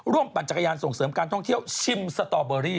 ปั่นจักรยานส่งเสริมการท่องเที่ยวชิมสตอเบอรี่